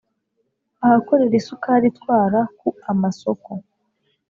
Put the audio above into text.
Ahakorera isukari itwara ku amasoko